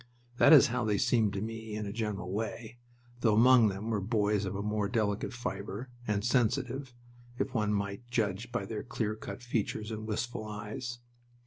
That is how they seemed to me, in a general way, though among them were boys of a more delicate fiber, and sensitive, if one might judge by their clear cut features and wistful eyes.